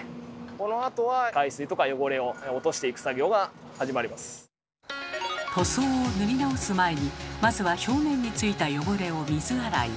このあとは塗装を塗り直す前にまずは表面についた汚れを水洗い。